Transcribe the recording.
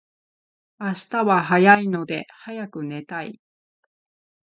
明日は早いので早く寝たい